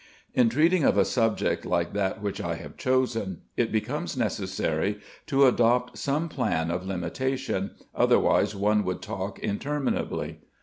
In treating of a subject like that which I have chosen, it becomes necessary to adopt some plan of limitation, otherwise one would talk interminably.